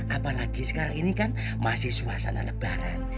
apalagi sekarang ini kan masih suasana lebaran